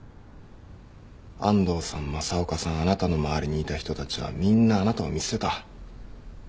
安藤さん政岡さんあなたの周りにいた人たちはみんなあなたを見捨てた。